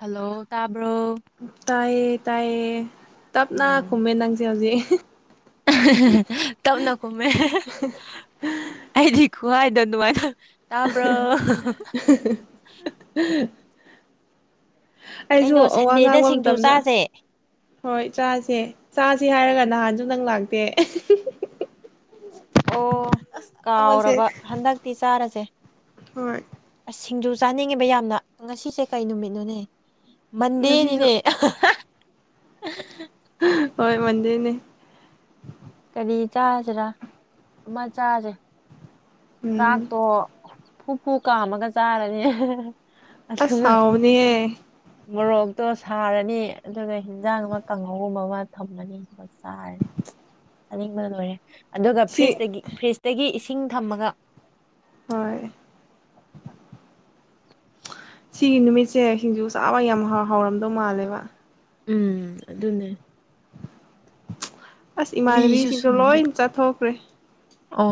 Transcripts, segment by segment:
Hello ꯇꯥꯕ꯭ꯔꯣ ꯇꯥꯏꯌꯦ ꯇꯥꯏꯌꯦ ꯇꯞꯅ ꯎꯝ ꯈꯨꯝꯃꯦ ꯅꯪꯗꯤ ꯍꯧꯖꯤꯛ ꯇꯞꯅ ꯈꯨꯝꯃꯦ ꯑꯩꯗꯤ ꯈꯨꯍꯥꯏꯗꯣ ꯅꯨꯡꯉꯥꯏꯅ ꯑꯍꯑꯍ ꯑꯍꯍ ꯍꯍꯑꯑ [inaudible] ꯑꯩꯖꯨ ꯀꯩꯅꯣ ꯋꯥ ꯁꯟꯗꯦꯗ ꯉꯥꯡꯕ ꯁꯤꯡꯖꯨ ꯃꯇꯝꯗ ꯆꯥꯁꯦ ꯍꯣꯏ ꯆꯥꯁꯦ ꯆꯥꯁꯦ ꯍꯥꯏꯔꯒ ꯅꯍꯥꯟꯁꯨ ꯅꯪ ꯂꯥꯛꯇꯦ ꯎꯝ [inaudible] ꯑꯣ ꯀꯥꯎꯔꯕ ꯍꯟꯗꯛꯇꯤ ꯆꯥꯔꯖꯦ ꯍꯣꯏ ꯑꯁ ꯁꯤꯡꯖꯨ ꯆꯥꯅꯤꯡꯉꯦꯕ ꯌꯥꯝꯅ ꯉꯁꯤꯁꯦ ꯀꯩ ꯅꯨꯃꯤꯠꯅꯣꯅꯦ ꯉꯁꯤꯁꯨ ꯃꯟꯗꯦꯅꯤꯅꯦ ꯍꯣꯏ ꯃꯟꯗꯦꯅꯦ ꯀꯔꯤ ꯆꯥꯖꯤꯔꯥ ꯑꯃ ꯆꯥꯖꯦ ꯎꯝ ꯆꯥꯛꯇꯣ ꯐꯨꯐꯨ ꯀꯥꯝꯃꯒ ꯆꯥꯔꯅꯤ ꯑꯁ ꯑꯗꯨꯒ ꯍꯥꯎꯕꯅꯦꯍꯦ ꯃꯣꯔꯣꯛꯇꯣ ꯁꯥꯔꯅꯤ ꯑꯗꯨꯒ ꯍꯤꯟꯖꯥꯡ ꯑꯃ ꯀꯥꯡꯍꯧꯒꯨꯝꯕ ꯑꯃ ꯊꯝꯃꯅꯤ ꯆꯥꯔꯦ ꯆꯥꯅꯤꯡꯕ ꯂꯣꯏꯔꯦ ꯑꯗꯨꯒ ꯁꯤ ꯐ꯭ꯔꯤꯖꯇꯒꯤ ꯐ꯭ꯔꯤꯖꯇꯒꯤ ꯏꯁꯤꯡ ꯊꯝꯃꯒ ꯍꯣꯏ ꯁꯤꯒꯤ ꯅꯨꯃꯤꯠꯁꯦ ꯁꯤꯡꯖꯨ ꯆꯥꯕ ꯌꯥꯝ ꯍꯥꯎꯔꯝꯗꯧ ꯃꯥꯜꯂꯦꯕ ꯎꯝ ꯑꯗꯨꯅꯦ ꯑꯁ ꯃꯤꯁꯨ ꯏꯃꯥꯟꯅꯕꯤꯁꯤꯡꯁꯨ ꯂꯣꯏ ꯁꯨꯅꯗꯦ ꯆꯠꯊꯣꯛꯈ꯭ꯔꯦ ꯑꯣ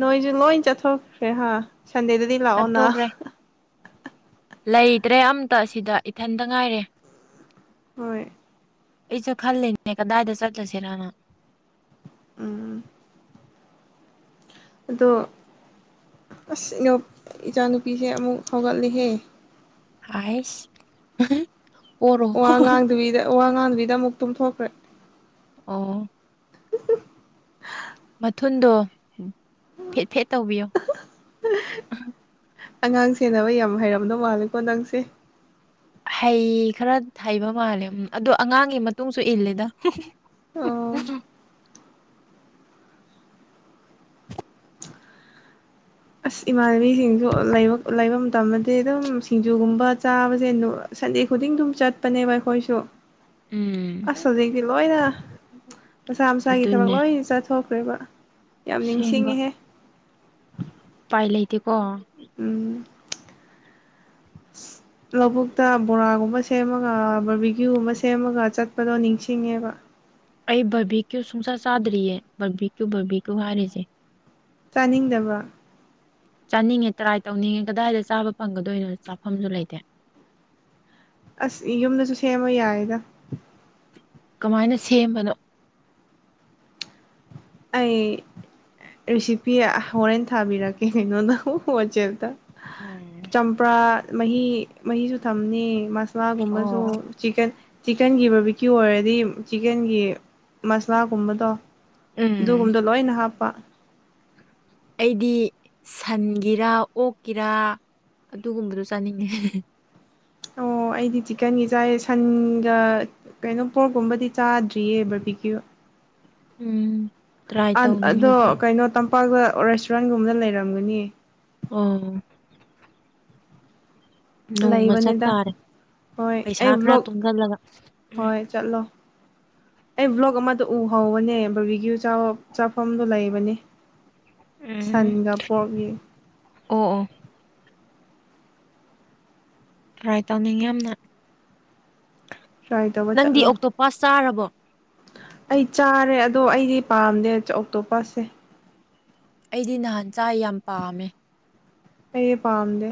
ꯅꯣꯏꯁꯨ ꯂꯣꯏ ꯆꯠꯊꯣꯛꯈ꯭ꯔꯦ ꯍꯥꯥ ꯁꯟꯗꯦꯗꯗꯤ ꯂꯥꯛꯑꯣ ꯅ ꯆꯠꯊꯣꯛꯈ꯭ꯔꯦ ꯂꯩꯇ꯭ꯔꯦ ꯑꯝꯇ ꯁꯤꯗ ꯏꯊꯟꯇ ꯉꯥꯏꯔꯦ ꯍꯣꯏ ꯑꯩꯖꯨ ꯈꯜꯂꯤꯅꯦ ꯀꯗꯥꯏꯗ ꯆꯠꯂꯨꯁꯤꯔꯅ ꯎꯝ ꯑꯗꯣ ꯑꯁ ꯏꯅ ꯏꯆꯥꯅꯨꯄꯤꯁꯦ ꯑꯃꯨꯛ ꯍꯧꯒꯠꯂꯦꯍꯦ ꯍꯥꯏꯁ꯫ ꯄꯣꯔꯣ ꯋꯥ ꯉꯥꯡꯗꯕꯤꯗ ꯋꯥ ꯉꯥꯡꯗꯕꯤꯗ ꯑꯃꯨꯛ ꯇꯨꯝꯊꯣꯛꯈ꯭ꯔꯦ꯫ ꯑꯣ꯫ ꯃꯊꯨꯟꯗꯣ ꯐꯦꯠ ꯐꯦꯠ ꯇꯧꯕꯤꯌꯣ꯫ ꯑꯉꯥꯡ ꯁꯦꯟꯅꯕ ꯌꯥꯝ ꯍꯩꯔꯝꯗꯧ ꯃꯥꯜꯂꯦꯀꯣ ꯅꯪꯁꯤ꯫ ꯍꯩ ꯈꯔ ꯍꯩꯕ ꯃꯥꯜꯂꯦ ꯑꯗꯣ ꯑꯉꯥꯡꯒꯤ ꯃꯇꯨꯡꯁꯨ ꯏꯜꯂꯦꯗ꯫ ꯑꯣ ꯑꯁ ꯏꯃꯥꯟꯅꯕꯤꯁꯤꯡꯁꯨ ꯂꯩꯕ ꯂꯩꯕ ꯃꯇꯝꯗꯗꯤ ꯑꯗꯨꯝ ꯁꯤꯡꯖꯨꯒꯨꯝꯕ ꯆꯥꯕꯁꯦ꯫ ꯁꯟꯗꯦ ꯈꯨꯗꯤꯡ ꯑꯗꯨꯝ ꯆꯠꯄꯅꯦꯕ ꯑꯩꯈꯣꯏꯁꯨ꯫ ꯎꯝ ꯑꯁ ꯍꯧꯖꯤꯛꯇꯤ ꯂꯣꯏꯅ ꯃꯁꯥ ꯃꯁꯥꯒꯤ ꯊꯕꯛ ꯂꯣꯏ ꯆꯠꯊꯣꯛ ꯑꯑꯥꯏꯕ [inaudible] ꯁꯦꯡꯕ ꯎꯄꯥꯏ ꯂꯩꯇꯦꯀꯣ ꯎꯝ ꯂꯧꯕꯨꯛꯇ ꯕꯣꯔꯥꯒꯨꯝꯕ ꯁꯦꯝꯃꯒ ꯕꯔꯕꯤꯒꯀ꯭ꯌꯨꯒꯨꯝꯕ ꯁꯦꯝꯃꯒ ꯆꯠꯄꯗꯣ ꯅꯤꯡꯁꯤꯡꯉꯦꯕ ꯑꯩ ꯕꯥꯔꯕꯤꯛꯀ꯭ꯌꯨ ꯁꯨꯡꯁꯥ ꯆꯥꯗ꯭ꯔꯤꯌꯦ ꯕꯥꯔꯕꯤꯀ꯭ꯌꯨ ꯕꯥꯔꯕꯤꯀ꯭ꯌꯨ ꯍꯥꯏꯔꯤꯁꯦ ꯆꯥꯅꯤꯡꯗꯕ ꯆꯥꯅꯤꯡꯉꯦ ꯇ꯭ꯔꯥꯏ ꯇꯧꯅꯤꯡꯉꯦ ꯀꯗꯥꯏꯗ ꯆꯥꯕ ꯐꯪꯒꯗꯣꯏꯅꯣ ꯆꯥꯐꯝꯁꯨ ꯂꯩꯇꯦ ꯑꯁ ꯌꯨꯝꯗꯁꯨ ꯁꯦꯝꯃ ꯌꯥꯏꯌꯦꯗ ꯀꯃꯥꯏꯅ ꯁꯦꯝꯕꯅꯣ꯫ ꯑꯩ ꯔꯤꯁꯤꯄꯤꯌꯥ ꯍꯣꯔꯦꯟ ꯊꯥꯕꯤꯔꯛꯀꯦ ꯀꯩꯅꯣꯗ ꯋꯥꯆꯦꯞꯇ꯫ ꯎꯝ ꯆꯝꯄ꯭ꯔꯥ ꯃꯍꯤ ꯃꯍꯤꯁꯨ ꯊꯝꯅꯦ꯫ ꯁꯥꯒꯨꯝꯕꯁꯨ ꯑꯣ ꯆꯤꯀꯟ꯫ ꯆꯤꯛꯀꯟꯒꯤ ꯕꯥꯔꯀꯤꯌꯨ ꯑꯣꯏꯔꯗꯤ ꯆꯤꯛꯀꯟꯒꯤ ꯃꯁꯂꯥ꯫ ꯒꯨꯨꯝꯕꯗꯣ ꯎꯝ ꯑꯗꯨꯒꯨꯝꯕꯗꯣ ꯂꯣꯏꯅ ꯍꯥꯞꯄ꯫ ꯑꯩꯗꯤ ꯁꯟꯒꯤꯔꯥ ꯑꯣꯛꯀꯤꯔꯥ꯫ ꯑꯗꯨꯒꯨꯝꯕꯗꯣ ꯆꯥꯅꯤꯡꯉꯦ꯫ ꯑꯣ ꯑꯩꯗꯤ ꯆꯤꯛꯀꯟꯒꯤ ꯆꯥꯏ ꯁꯟꯒ꯫ ꯀꯩꯅꯣ ꯄꯣꯛꯀꯨꯝꯕꯗꯤ ꯆꯥꯗ꯭ꯔꯤꯌꯦ ꯕꯔꯕꯤꯀꯤꯌꯨ꯫ ꯎꯝ ꯇ꯭ꯔꯥꯏ ꯑ ꯇꯧꯅꯤꯡꯉꯦ ꯑꯗꯣ ꯑꯗꯨ ꯀꯩꯅꯣ ꯇꯝ꯫ ꯄꯥꯛꯇ ꯔꯦꯁꯇꯨꯔꯦꯟꯒꯨꯝꯕꯗ ꯂꯩꯔꯝꯒꯅꯤ꯫ ꯑꯣ ꯅꯣꯡꯃ ꯂꯩꯕꯅꯤꯗ ꯆꯠꯇꯥꯔꯦ ꯍꯣꯏ ꯄꯩꯁꯥ ꯑꯩ ꯈꯔ ꯕ꯭ꯂꯣꯛ ꯇꯨꯡꯁꯤꯜꯂꯒ ꯎꯝ ꯍꯣꯏ ꯆꯠꯂꯣ꯫ ꯑꯩ ꯕ꯭ꯂꯣꯛ ꯑꯃꯗ ꯎꯍꯧꯕꯅꯦ ꯕꯔꯕꯤꯀꯤꯌꯨ ꯆꯥꯐꯝꯗꯨ ꯂꯩꯕꯅꯦ꯫ ꯎꯝ ꯁꯟꯒ ꯄꯣꯛꯒꯤ꯫ ꯑꯣ ꯑꯣ꯫ ꯇ꯭ꯔꯥꯏ ꯇꯧꯅꯤꯡꯉꯦ ꯌꯥꯝꯅ ꯇ꯭ꯔꯥꯏ ꯇꯧꯕ ꯅꯪꯗꯤ ꯆꯠꯂꯣ ꯑꯣꯛꯇꯣ ꯄꯥꯁ ꯆꯥꯔꯕꯣ꯫ ꯑꯩ ꯆꯥꯔꯦ ꯑꯗꯣ ꯑꯩꯗꯤ ꯄꯥꯝꯗꯦ ꯑꯇꯣꯞꯁꯁꯦ꯫ ꯑꯩꯗꯤ ꯅꯍꯥꯟ ꯆꯥꯏ ꯌꯥꯝ ꯄꯥꯝꯃꯦ꯫ ꯑꯩꯩꯗꯤ ꯄꯥꯝꯗꯦ꯫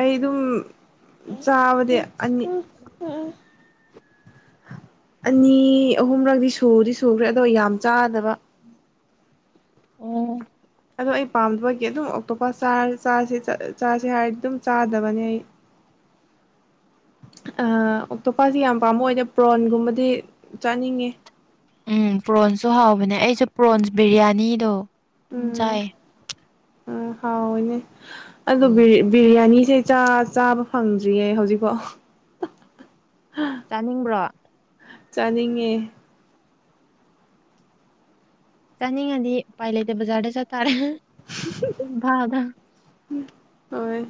ꯑꯩ ꯑꯗꯨꯝ ꯆꯥꯕꯗꯤ ꯑꯅꯤ꯫ ꯑꯅꯤ ꯑꯍꯨꯝꯔꯛꯗꯤ ꯁꯨꯗꯤ ꯁꯨꯈ꯭ꯔꯦ ꯑꯗꯣ ꯌꯥꯝ ꯆꯥꯗꯕ꯫ ꯑꯣ꯫ ꯑꯗꯣ ꯑꯩ ꯄꯥꯝꯗꯕꯒꯤ ꯑꯗꯨꯝ ꯑꯇꯣꯞꯄ ꯆꯥꯁꯦ ꯍꯥꯏꯔꯗꯤ ꯑꯗꯨꯝ ꯆꯥꯗꯕꯅꯦ ꯑꯩ꯫ [unintelligible] ꯑꯣꯇꯣꯞꯄꯥꯁꯤ ꯌꯥꯝ ꯄꯥꯝꯕ ꯑꯣꯏꯗ ꯄ꯭ꯔꯣꯟꯒꯨꯝꯕꯗꯤ ꯆꯥꯅꯤꯡꯉꯦ꯫ ꯎꯝ ꯄ꯭ꯔꯣꯟꯁꯁꯨ ꯍꯥꯎꯕꯅꯦ ꯑꯩꯁꯨ ꯄ꯭ꯔꯣꯟꯁ ꯕꯤꯔꯌꯥꯅꯤꯗꯣ ꯑꯗꯨꯝ ꯎꯝ ꯆꯥꯏꯌꯦ꯫ ꯎꯝ ꯍꯥꯎꯅꯦ ꯑꯗꯨ ꯎꯝ ꯕꯤꯔꯌꯥꯅꯤꯁꯦ ꯆꯥ ꯆꯥꯕ ꯐꯪꯗ꯭ꯔꯤꯌꯦ ꯍꯧꯖꯤꯛꯐꯥꯎ ꯆꯥꯅꯤꯡꯕ꯭ꯔꯣ ꯆꯥꯅꯤꯡꯉꯦ ꯆꯥꯅꯤꯡꯉꯗꯤ ꯎꯄꯥꯏ ꯂꯩꯇꯦ ꯕꯖꯥꯔꯗ ꯆꯠꯇꯥꯔꯦ ꯢꯝꯐꯥꯜꯗ ꯍꯣꯏ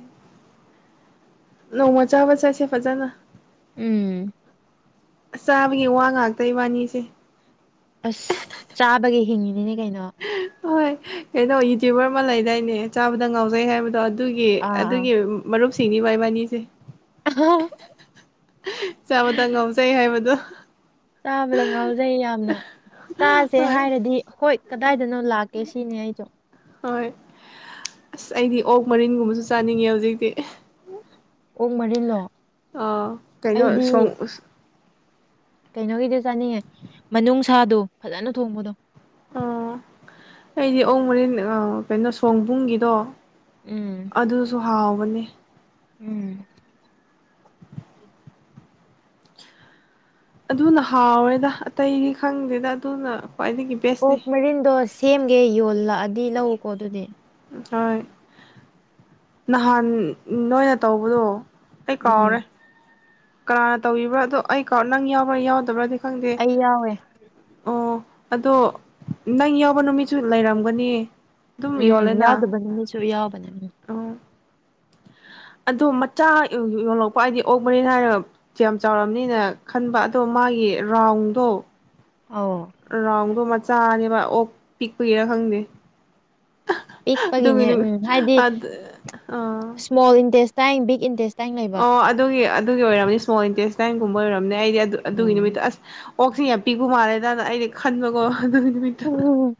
ꯅꯣꯡꯃ ꯆꯥꯕ ꯆꯥꯠꯁꯦ ꯐꯖꯅ ꯎꯝ ꯆꯥꯕꯒꯤ ꯋꯥ ꯉꯥꯛꯇ ꯢꯕꯥꯅꯤꯁꯦ ꯑꯁ ꯆꯥꯕꯒꯤ ꯍꯤꯡꯉꯤꯅꯤꯅꯦ ꯀꯩꯅꯣ ꯍꯣꯏ ꯀꯩꯅꯣ ꯌꯨꯇ꯭ꯌꯨꯕꯔ ꯑꯃ ꯂꯩꯗꯥꯏꯅꯦ ꯆꯥꯕꯗ ꯉꯥꯎꯖꯩ ꯍꯥꯏꯕꯗꯣ ꯑꯗꯨꯒꯤ ꯑꯥ ꯑꯥ ꯑꯗꯨꯒꯤ ꯃꯔꯨꯞꯁꯤꯡꯅꯤ ꯚꯥꯢ ꯢꯕꯥꯅꯤꯁꯦ ꯑ [inaudible] ꯆꯥꯕꯗ ꯉꯥꯎꯖꯩ ꯍꯥꯏꯕꯗꯣ꯫ ꯆꯥꯕꯗ ꯉꯥꯎꯖꯩ ꯌꯥꯝꯅ ꯆꯥꯁꯦ ꯍꯣꯏ ꯍꯥꯏꯔꯗꯤ꯫ ꯍꯣꯏ ꯀꯗꯥꯏꯗꯅꯣ ꯂꯥꯛꯀꯦ ꯁꯤꯅꯦ ꯑꯩꯁꯨ꯫ ꯍꯣꯏ ꯑꯁ ꯑꯩꯗꯤ ꯑꯣꯛ ꯃꯔꯤꯟꯒꯨꯝꯕꯁꯨ ꯆꯥꯅꯤꯡꯉꯦ ꯍꯧꯖꯤꯛꯇꯤ꯫ ꯑꯣꯛ ꯃꯔꯤꯜꯂꯣ꯫ ꯑꯥ ꯀꯩꯅꯣ ꯁꯣꯡ꯫ ꯀꯩꯅꯣꯒꯤꯗꯨ ꯆꯥꯅꯤꯡꯉꯦ ꯃꯅꯨꯡꯁꯥꯗꯣ ꯐꯖꯅ ꯊꯣꯡꯕꯗꯣ꯫ ꯑꯣ ꯑꯩꯗꯤ ꯑꯣꯛ ꯃꯔꯤꯟ ꯀꯩꯅꯣ ꯁꯧꯑꯣꯡꯕꯨꯡꯒꯤꯗꯣ꯫ ꯎꯝ ꯑꯗꯨꯁꯨ ꯍꯥꯎꯕꯅꯦ꯫ ꯎꯝ꯫ ꯑꯗꯨꯅ ꯍꯥꯎꯋꯦꯗ ꯑꯇꯩꯗꯤ ꯈꯪꯗꯦꯗ ꯑꯗꯨꯅ ꯈ꯭ꯋꯥꯏꯗꯒꯤ꯫ ꯕꯦꯁꯅꯤ ꯑꯣꯛ ꯃꯔꯤꯟꯗꯣ ꯁꯦꯝꯒꯦ ꯌꯣꯜꯂꯛꯑꯗꯤ ꯂꯧꯎꯀꯣ ꯑꯗꯨꯗꯤ꯫ ꯍꯣꯏ ꯅꯍꯥꯟ ꯅꯣꯏꯅ ꯇꯧꯕꯗꯣ ꯑꯩ ꯀꯥꯎꯔꯦ ꯎꯝ ꯀꯅꯥꯅ ꯇꯧꯕ꯭ꯔꯥ ꯑꯗꯣ ꯑꯩ ꯀꯥꯥꯎ ꯅꯪ ꯌꯥꯎꯕ꯭ꯔꯥ ꯌꯥꯎꯗꯕ꯭ꯔꯗꯤ ꯈꯪꯗꯦ ꯑꯩ ꯌꯥꯎꯋꯦ ꯑꯣ ꯑꯗꯣ ꯅꯪ ꯌꯥꯎꯕ ꯅꯨꯃꯤꯠꯁꯨ ꯂꯩꯔꯝꯒꯅꯤ ꯑꯗꯨꯝ ꯎꯝ ꯌꯣꯜꯂꯦꯅ ꯌꯥꯎꯗꯕ ꯅꯨꯃꯤꯠꯁꯨ ꯌꯥꯎꯕꯅꯦ ꯑꯣ ꯑꯗꯣ ꯃꯆꯥ ꯌꯣꯜꯂꯛꯄ ꯍꯥꯏꯗꯤ ꯑꯣꯛ ꯃꯔꯤꯟ ꯍꯥꯏꯔꯒ ꯌꯥꯝ ꯆꯥꯎꯔꯝꯅꯤꯅ ꯈꯟꯕ ꯑꯗꯣ ꯃꯥꯒꯤ ꯔꯥꯎꯟꯗꯣ ꯑꯥꯎ ꯔꯥꯎꯟꯗꯣ ꯃꯆꯥꯅꯦꯕ ꯑꯣꯛ ꯄꯤꯛꯄꯒꯤꯔ ꯈꯪꯗꯦ ꯑꯗꯨꯒꯤ ꯄꯤꯛꯄꯒꯤꯅꯦ ꯅꯨꯃꯤꯠ ꯎꯝ ꯍꯥꯏꯗꯤ ꯑꯗ ꯑꯥ ꯏꯁꯃꯣꯜ ꯏꯟꯇꯔꯦꯁ ꯇꯥꯏꯡ ꯕꯤꯛ ꯏꯟꯇꯔꯦꯁ ꯑꯣ ꯑꯗꯨꯒꯤ ꯑꯗꯨꯒꯤ ꯑꯣꯏꯔꯝꯅꯤ ꯏꯁꯃꯣꯜ ꯏꯟꯇꯦꯁ ꯅꯥꯏꯟꯒꯨꯝꯕ ꯑꯣꯏꯔꯝꯅꯤ ꯑꯩꯗꯤ ꯑꯗꯨ ꯑꯗꯨꯒꯤ ꯎꯝ ꯅꯨꯃꯤꯠꯇꯨ ꯑꯁ ꯑꯣꯛꯁꯦ ꯌꯥꯝ ꯄꯤꯛꯄ ꯃꯥꯜꯂꯦꯅ ꯑꯩꯩꯅ ꯈꯟꯕꯀꯣ ꯑꯗꯨꯒꯤ ꯅꯨꯃꯤꯠꯇꯣ ꯎꯝ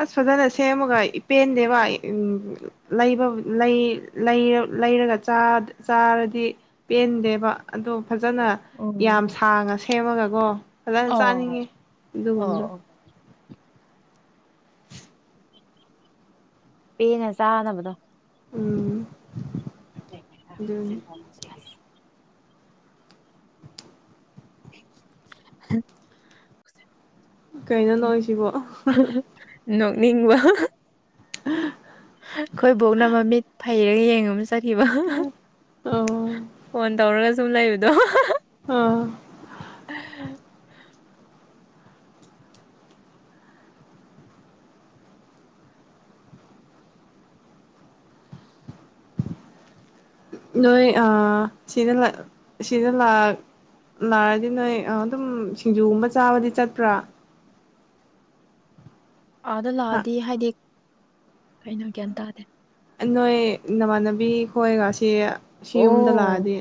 ꯑꯁ ꯐꯖꯅ ꯁꯦꯝꯃꯒ ꯄꯦꯟꯗꯦꯕ ꯎ ꯂꯩ ꯂꯩꯔꯒ ꯆꯥꯔꯗꯤ ꯄꯦꯟꯗꯦꯕ ꯑꯗꯣ ꯐꯖꯅ ꯎꯝ ꯌꯥꯝ ꯁꯥꯡꯅ ꯁꯦꯝꯃꯒꯀꯣ ꯐꯖꯅ ꯑꯣ ꯑꯣ ꯆꯥꯅꯤꯡꯉꯦ ꯑꯗꯨꯒꯨꯝꯕꯗꯣ ꯑꯣ ꯄꯦꯅ ꯆꯥꯒꯗꯕꯗꯣ ꯎꯝ ꯆꯁꯤ ꯑꯗꯨꯅꯤ [inaudible] ꯍꯝ [inaudible] ꯀꯩꯅꯣ ꯅꯣꯛꯢꯁꯤꯕꯨ ꯅꯣꯛꯅꯤꯡꯕ ꯑꯩꯈꯣꯏ ꯕꯣꯛꯅ ꯃꯃꯤꯠ ꯐꯩꯔꯒ ꯌꯦꯡꯉꯝ ꯈꯤꯕ ꯑꯣ ꯐꯣꯟ ꯇꯧꯔꯒ ꯁꯨꯝ ꯂꯩꯕꯗꯣ ꯑꯥ [unintelligible] ꯅꯣꯏ ꯑ ꯁꯤꯗ ꯁꯤꯗ ꯂꯥꯛ ꯂꯥꯛꯑꯗꯤ ꯅꯣꯏ ꯑꯗꯨꯝ ꯁꯤꯡꯖꯨꯒꯨꯝꯕ ꯆꯥꯕꯗꯤ ꯆꯠꯄ꯭ꯔꯥ ꯑꯥꯗ ꯂꯥꯛꯑꯗꯤ ꯍꯥꯏꯗꯤ ꯀꯩꯅꯣ ꯒ꯭ꯌꯥꯟ ꯇꯥꯗꯦ ꯅꯣꯏ ꯅꯃꯥꯟꯅꯕꯤ ꯈꯣꯏꯒ ꯁꯤ ꯌꯨꯝꯗ ꯑꯣ ꯂꯥꯛꯑꯗꯤ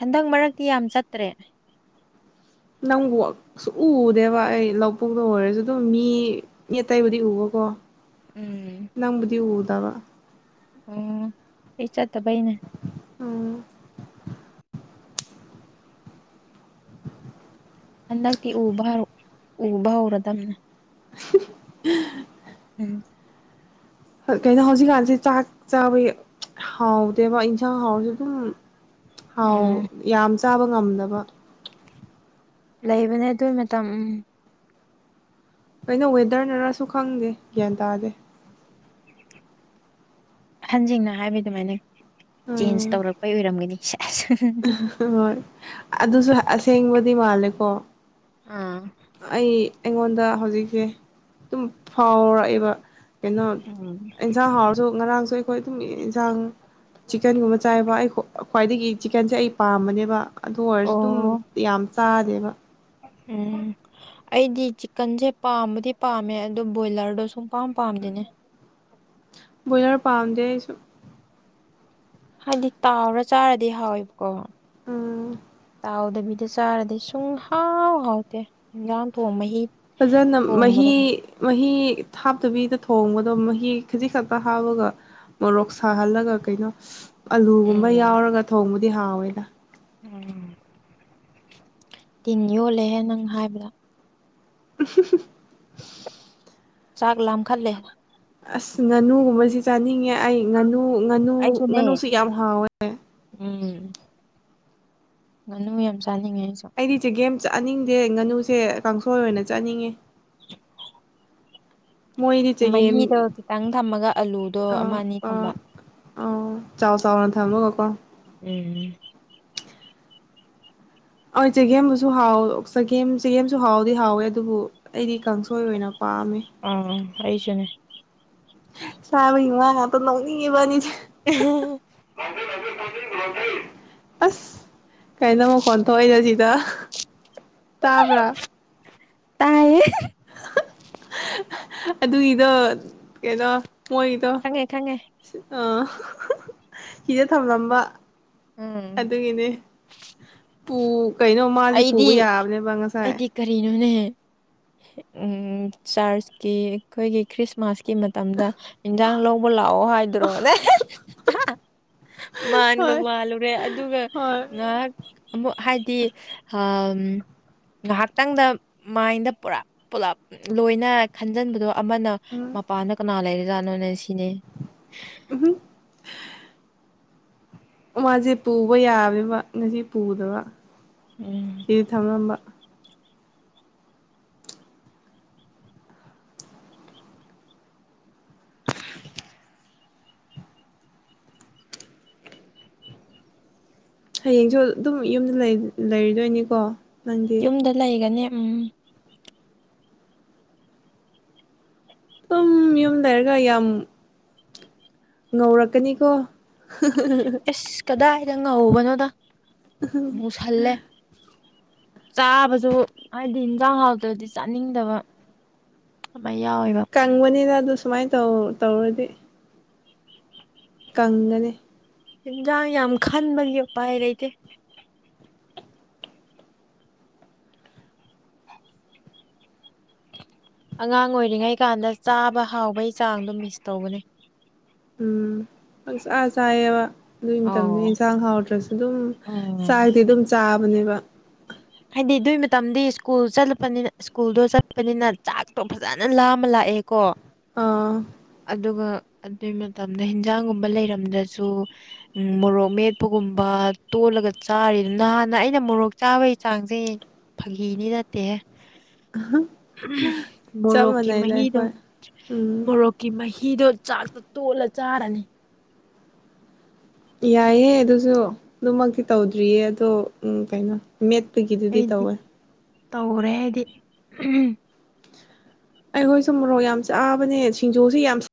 ꯍꯟꯗꯛ ꯃꯔꯛꯇꯤ ꯌꯥꯝ ꯆꯠꯇ꯭ꯔꯦ ꯅꯪꯕꯨ ꯁꯨꯡꯎꯨ ꯎꯗꯦꯕ ꯑꯩ ꯂꯄꯨꯛꯇ ꯑꯣꯏꯔꯁꯨ ꯑꯗꯨꯝ ꯃꯤ ꯑꯇꯩꯕꯨꯗꯤ ꯎꯕꯀꯣ ꯎꯝ ꯅꯪꯕꯨꯗꯤ ꯎꯗꯕ ꯑꯣ ꯑꯩ ꯆꯠꯇꯕꯩꯅꯦ ꯑꯣ ꯍꯟꯗꯛꯇꯤ ꯎꯕ ꯎꯕ ꯍꯧꯔꯗꯕꯅꯦ [inaudible] ꯎꯝ ꯀꯩꯅꯣ ꯍꯧꯖꯤꯛꯀꯥꯟꯁꯦ ꯆꯥꯛ ꯆꯥꯕꯩ ꯍꯥꯎꯗꯦꯕ ꯌꯦꯟꯁꯥꯡ ꯍꯥꯎꯁꯨ ꯑꯗꯨꯝ ꯍꯥꯎ ꯎꯝ ꯌꯥꯝ ꯆꯥꯕ ꯉꯝꯗꯕ ꯂꯩꯕꯅꯦ ꯑꯗꯨꯏ ꯃꯇꯝ ꯎꯝ ꯀꯩꯅꯣ ꯋꯦꯗꯔꯅꯔꯁꯨ ꯈꯪꯗꯦ ꯒ꯭ꯌꯥꯟ ꯇꯥꯗꯦ ꯑꯍꯟꯁꯤꯡꯅ ꯍꯥꯏꯕ ꯑꯗꯨꯃꯥꯏꯅ ꯆꯦꯟꯖ ꯎꯝ ꯇꯧꯔꯛꯄꯩ ꯑꯣꯏꯔꯝꯒꯅꯤ ꯑ ꯍꯣꯏ ꯑꯗꯨꯁꯨ ꯑꯁꯦꯡꯕꯗꯤ ꯃꯥꯜꯂꯦꯀꯣ ꯑꯥ ꯑꯩ ꯑꯩꯉꯣꯟꯗ ꯍꯧꯖꯤꯛꯁꯦ ꯑꯗꯨꯝ ꯐꯥꯎꯔꯛꯑꯦꯕ ꯀꯩꯅꯣ ꯎꯝ ꯑꯦꯟꯁꯥꯡ ꯍꯥꯎꯔꯁꯨ ꯉꯔꯥꯡꯁꯨ ꯑꯩꯈꯣꯏ ꯑꯗꯨꯝ ꯏꯟꯁꯥꯡ ꯆꯤꯛꯀꯟꯒꯨꯝꯕ ꯆꯥꯏꯕ ꯑꯩ ꯈ꯭ꯋꯥꯏꯗꯒꯤ ꯆꯤꯛꯀꯟꯁꯦ ꯑꯩ ꯄꯥꯝꯕꯅꯦꯕ ꯑꯗꯨ ꯑꯣꯏꯔꯁꯨ ꯑꯗꯨꯝ ꯑꯣ ꯌꯥꯝ ꯆꯥꯗꯦꯕ ꯎꯝ ꯑꯩꯗꯤ ꯆꯤꯛꯀꯟꯁꯦ ꯄꯥꯝꯕꯗꯤ ꯄꯥꯝꯃꯦ ꯑꯗꯨꯗꯣ ꯕꯣꯏꯂꯔꯗꯣ ꯁꯨꯡ ꯄꯥꯝ ꯄꯥꯝꯗꯤꯅꯦ ꯕꯣꯏꯂꯔ ꯄꯥꯝꯗꯦ ꯑꯩꯁꯨ ꯍꯥꯏꯗꯤ ꯇꯥꯎꯔ ꯆꯥꯔꯗꯤ ꯍꯥꯎꯋꯦꯕꯀꯣ ꯑꯥꯝ ꯇꯥꯎꯗꯕꯤꯗ ꯆꯥꯔꯗꯤ ꯁꯨꯡ ꯍꯥꯎ ꯍꯥꯎꯇꯦ ꯏꯟꯖꯥꯡ ꯊꯣꯡꯕ ꯍꯤ ꯐꯖꯅ ꯃꯍꯤ ꯃꯍꯤ ꯍꯞꯇꯕꯤꯗ ꯊꯣꯡꯕꯗꯣ ꯃꯍꯤ ꯈꯖꯤꯛ ꯈꯛꯇ ꯍꯥꯞꯄꯒ ꯃꯣꯔꯣꯛ ꯁꯥꯍꯜꯂꯒ ꯀꯩꯅꯣ ꯑꯂꯨꯒꯨꯝꯕ ꯎꯝ ꯌꯥꯎꯔꯒ ꯊꯣꯡꯕꯗꯤ ꯍꯥꯎꯋꯦꯗ ꯎꯝ ꯇꯤꯟ ꯌꯣꯜꯂꯦꯍꯦ ꯅꯪ ꯍꯥꯏꯕꯗꯣ ꯄ [inaudible] ꯆꯥꯛ ꯂꯝꯈꯠꯂꯦ ꯑꯁ ꯉꯥꯅꯨꯒꯨꯝꯕꯁꯤ ꯆꯥꯅꯤꯡꯉꯦ ꯑꯩ ꯉꯥꯅꯨ ꯉꯥꯅꯨ ꯑꯩꯁꯨꯅꯦ ꯉꯥꯅꯨꯁꯨ ꯌꯥꯝ ꯍꯥꯎꯋꯦ ꯎꯝ ꯉꯥꯅꯨ ꯌꯥꯝ ꯆꯥꯅꯤꯡꯉꯦ ꯑꯩꯁꯨ ꯑꯩꯗꯤ ꯆꯦꯒꯦꯝ ꯆꯠꯅꯤꯡꯗꯦ ꯉꯥꯅꯨꯁꯦ ꯀꯥꯡꯁꯣꯏ ꯑꯣꯏꯅ ꯆꯠꯅꯤꯡꯉꯦ ꯃꯣꯏꯗꯤ ꯆꯒꯦꯝ ꯃꯍꯤꯗꯣ ꯈꯤꯇꯪ ꯊꯝꯃꯒ ꯑꯂꯨꯗꯣ ꯑꯃ ꯑꯅꯤ ꯊꯝꯕ ꯑꯣ ꯆꯥꯎ ꯆꯥꯎꯅ ꯊꯝꯃꯥꯒꯀꯣ ꯎꯝ ꯍꯣꯢ ꯆꯒꯦꯝꯕꯨꯁꯨ ꯍꯥꯎ ꯆꯒꯦꯝ ꯆꯒꯦꯝꯁꯨ ꯍꯥꯎꯗꯤ ꯍꯥꯎꯋꯦ ꯑꯗꯨꯕꯨ ꯑꯩꯗꯤ ꯀꯥꯡꯁꯣꯏ ꯑꯣꯏꯅ ꯄꯥꯝꯃꯦ ꯑꯝ ꯑꯩꯁꯨꯅꯦ ꯁꯥꯕꯒꯤ ꯋꯥ ꯉꯥꯛꯇ ꯅꯣꯛꯅꯤꯡꯉꯦ ꯏꯕꯥꯅꯤꯁꯦ ꯎ [inaudible] ꯑꯁ ꯀꯩꯅꯣ ꯃꯈꯣꯟ ꯊꯣꯛꯢꯗꯣ ꯁꯤꯗ ꯇꯥꯕ꯭ꯔꯥ ꯇꯥꯏꯌꯦ ꯑꯗꯨꯒꯤꯗꯣ ꯀꯩꯅꯣ ꯃꯣꯏ ꯈꯪꯉꯦ ꯈꯪꯉꯦ ꯑ ꯁꯤꯗ ꯊꯝꯂꯝꯕ ꯎꯝ ꯑꯗꯨꯒꯤꯅꯦ ꯄꯨ ꯀꯩꯅꯣ ꯃꯥꯁꯦ ꯑꯩꯗꯤ ꯄꯨꯕ ꯌꯥꯕꯅꯦꯕ ꯉꯁꯥꯏ ꯑꯩꯗꯤ ꯀꯔꯤꯅꯣꯅꯦ ꯆꯥꯔꯆꯀꯤ ꯑꯩꯈꯣꯏꯒꯤ ꯈ꯭ꯔꯤꯁꯃꯥꯁꯀꯤ ꯀꯤ ꯃꯇꯝꯗ ꯏꯟꯖꯥꯡ ꯂꯧꯕ ꯂꯥꯛꯑꯣ ꯍꯥꯏꯗ꯭ꯔꯣꯅꯦ ꯃꯥꯟꯒ ꯍꯣꯏ ꯃꯥꯜꯂꯨꯔꯦ ꯑꯗꯨꯒ ꯍꯣꯏ ꯉꯥꯏꯍꯥꯛ ꯑꯃꯨꯛ ꯍꯥꯏꯗꯤ ꯉꯥꯏꯍꯥꯛꯇꯪꯗ ꯃꯥꯏꯟꯗ ꯄꯨꯔꯞ ꯄꯨꯂꯞ ꯂꯣꯏꯅ ꯈꯟꯖꯟꯕꯗꯣ ꯑꯃꯅ ꯎꯝ ꯃꯄꯥꯟꯗ ꯀꯅꯥ ꯂꯩꯔꯖꯥꯠꯅꯣꯅꯦ ꯁꯤꯅꯦ ꯎꯝ ꯃꯥꯁꯦ ꯄꯨꯕ ꯌꯥꯕꯤꯕ ꯉꯁꯤ ꯄꯨꯗꯕ ꯎꯝ ꯏ ꯊꯝꯂꯝꯕ ꯍꯌꯦꯡꯁꯨ ꯑꯗꯨꯝ ꯌꯨꯝꯗ ꯂꯩꯔꯗꯣꯏꯅꯤꯀꯣ ꯌꯨꯝꯗ ꯂꯩꯒꯅꯤ ꯎꯝ ꯎꯝ ꯌꯨꯝ ꯂꯩꯔꯒ ꯌꯥꯝ ꯉꯧꯔꯛꯀꯅꯤꯀꯣ ꯏꯁ ꯀꯗꯥꯏꯗ ꯉꯧꯕꯅꯣꯗ ꯃꯨꯁꯜꯂꯦ ꯆꯥꯕꯁꯨ ꯍꯥꯏꯗꯤ ꯏꯟꯖꯥꯡ ꯍꯥꯎꯇ꯭ꯔꯗꯤ ꯆꯥꯅꯤꯡꯗꯕ ꯑꯗꯨꯥꯏ ꯌꯥꯎꯋꯦꯕ [inaudible] ꯀꯪꯕꯅꯤꯗ ꯑꯗꯨ ꯁꯨꯃꯥꯏꯅ ꯇꯧ ꯇꯧꯔꯗꯤ ꯀꯪꯒꯅꯦ ꯏꯟꯖꯥꯡ ꯌꯥꯝ ꯈꯟꯕꯒꯤ ꯎꯄꯥꯏ ꯂꯩꯇꯦ ꯑꯉꯥꯡ ꯑꯣꯏꯔꯤꯉꯩ ꯀꯥꯟꯗ ꯆꯥꯕ ꯍꯥꯎꯕꯩ ꯆꯥꯡꯗꯣ ꯃꯤꯁ ꯇꯧꯕꯅꯦ ꯎꯝ ꯄꯪꯆꯥꯥ ꯆꯥꯏꯌꯦꯕ ꯑꯗꯨꯒꯤ ꯃꯇꯝꯗ ꯑꯣ ꯏꯟꯁꯥꯡ ꯍꯥꯎꯗ꯭ꯔꯁꯨ ꯑꯗꯨꯝ ꯎꯝ ꯆꯥꯛꯗꯤ ꯑꯗꯨꯝ ꯆꯥꯕꯅꯦꯕ ꯍꯥꯏꯗꯤ ꯑꯗꯨꯒꯤ ꯃꯇꯝꯗꯤ ꯁ꯭ꯀꯨꯜ ꯆꯠꯂꯨꯄꯅꯤꯅ ꯁ꯭ꯀꯨꯜꯗꯣ ꯆꯠꯄꯅꯤꯅ ꯆꯥꯛꯇꯣ ꯐꯖꯅ ꯂꯥꯝꯃ ꯂꯥꯛꯑꯦꯀꯣ ꯑꯥ ꯑꯗꯨꯒ ꯑꯗꯨꯢ ꯃꯇꯝꯗ ꯏꯟꯖꯥꯡꯒꯨꯝꯕ ꯂꯩꯔꯝꯗ꯭ꯔꯁꯨ ꯎꯝ ꯃꯣꯔꯣꯛ ꯃꯦꯠꯄꯒꯨꯝꯕ ꯇꯣꯠꯂꯒ ꯆꯥꯔꯤ ꯅꯍꯥꯟꯅ ꯑꯩꯅ ꯃꯣꯔꯣꯛ ꯆꯥꯕꯒꯤ ꯆꯥꯡꯁꯦ ꯐꯥꯒꯤꯗꯤ ꯅꯠꯇꯦꯍꯦ ꯆꯞ ꯃꯣꯔꯣꯛꯀꯤ ꯃꯥꯟꯅꯩꯗ ꯃꯍꯤꯗꯣ ꯑꯩꯈꯣꯏ ꯎꯝ ꯃꯣꯔꯣꯛ ꯃꯍꯤꯗꯣ ꯆꯥꯛꯇ ꯇꯣꯠꯂ ꯆꯥꯔꯅꯤ ꯌꯥꯏꯑꯦ ꯑꯗꯨꯁꯨ ꯑꯗꯨꯃꯛꯇꯤ ꯇꯧꯗ꯭ꯔꯤꯌꯦ ꯑꯗꯣ ꯎꯝ ꯀꯩꯅꯣ ꯃꯦꯠꯄꯒꯤꯗꯨꯗꯤ ꯑꯩꯗꯤ ꯇꯧꯋꯦ ꯇꯧꯔꯦ ꯑꯩꯗꯤ ꯏꯍꯝ ꯑꯩꯈꯣꯏꯁꯨ ꯃꯣꯔꯣꯛ ꯌꯥꯝ ꯆꯥꯕꯅꯦ ꯁꯤꯡꯖꯨꯁꯦ ꯌꯥꯝ